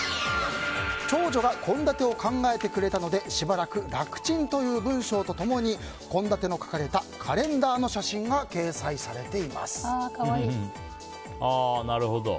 長女が献立を考えてくれたのでしばらく楽ちんという文章と共に献立の書かれたカレンダーの写真が掲載されています。